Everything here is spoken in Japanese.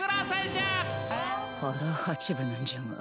腹八分なんじゃが。